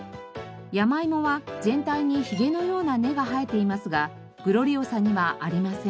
ヤマイモは全体にひげのような根が生えていますがグロリオサにはありません。